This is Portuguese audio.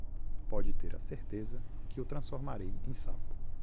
pode ter a certeza de que o transformarei em sapo.